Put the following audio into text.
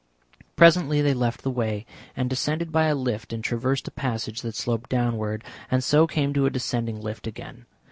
Presently they left the way and descended by a lift and traversed a passage that sloped downward, and so came to a descending lift again.